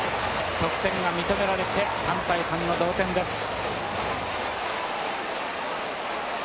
得点が認められて３対３の同点です。